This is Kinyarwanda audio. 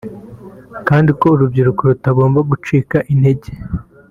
kandi urubyiruko rutagomba gucika integer